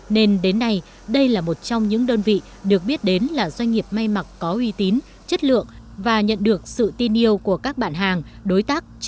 nên đến nay đây là một trong những đơn vị được biết đến là doanh nghiệp may mặc có uy tín chất lượng và nhận được sự tin yêu của các bạn hàng đối tác